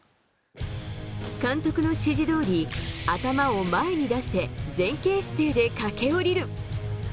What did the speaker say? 監督の指示どおり、頭を前に出して、前傾姿勢で駆け下りる。